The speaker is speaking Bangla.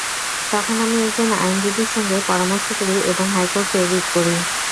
তখন আমি একজন আইনজীবীর সঙ্গে পরামর্শ করি এবং হাইকোর্টে রিট করি।